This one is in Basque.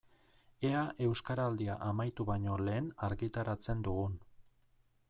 Ea Euskaraldia amaitu baino lehen argitaratzen dugun.